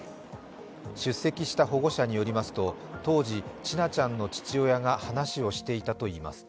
出席した保護者によりますと、当時千奈ちゃんの父親が話をしていたと言います。